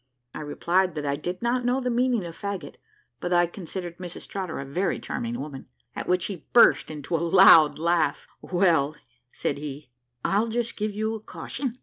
I replied, that I did not know the meaning of faggot, but that I considered Mrs Trotter a very charming woman. At which he burst into a loud laugh. "Well," said he, "I'll just give you a caution.